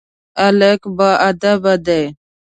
هلک باادبه دی.